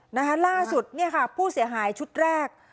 นะคะล่าสุดเนี่ยค่ะผู้เสียหายชุดแรก